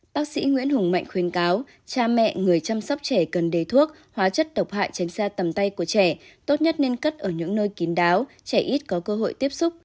bác sĩ nguyễn hùng mạnh khuyên cáo cha mẹ người chăm sóc trẻ cần đề thuốc hóa chất độc hại tránh xa tầm tay của trẻ tốt nhất nên cất ở những nơi kín đáo trẻ ít có cơ hội tiếp xúc